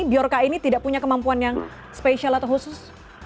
biorca ini tidak punya kemampuan yang spesial atau khusus